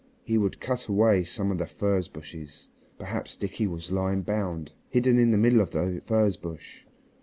He would cut away some of the furze branches. Perhaps Dickie was lying bound, hidden in the middle of the furze bush.